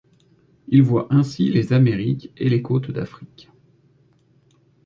Il voit ainsi les Amériques et les côtes d'Afrique.